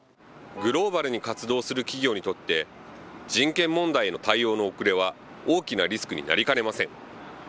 グローバルに活動する企業にとって、人権問題への対応の後れは大きなリスクになりかねません。